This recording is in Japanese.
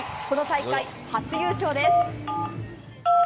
この大会、初優勝です。